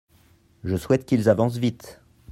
Je souhaite qu’ils avancent vite.